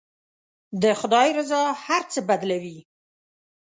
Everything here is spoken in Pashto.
د خدای رضا هر څه بدلوي.